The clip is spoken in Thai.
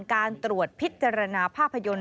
การตรวจพิจารณาภาพยนตร์